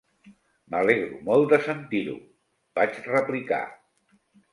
"M'alegro molt de sentir-ho", vaig replicar.